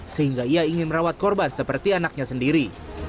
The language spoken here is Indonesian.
sehingga ia ingin merawat korban seperti anaknya sendiri